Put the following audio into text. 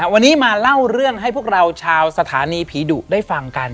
วันนี้มาเล่าเรื่องให้พวกเราชาวสถานีผีดุได้ฟังกัน